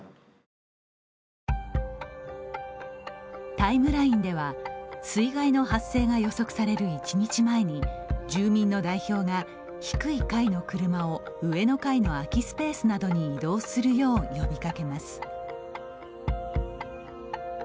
タイムラインでは水害の発生が予測される１日前に住民の代表が、低い階の車を上の階の空きスペースなどに移動するよう呼びかけます。